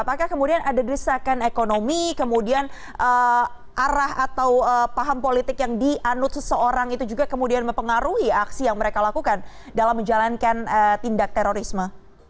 apakah kemudian ada desakan ekonomi kemudian arah atau paham politik yang dianut seseorang itu juga kemudian mempengaruhi aksi yang mereka lakukan dalam menjalankan tindak terorisme